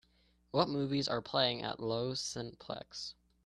What movies are playing at Loews Cineplex?